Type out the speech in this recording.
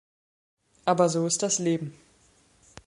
Aber so ist das Leben.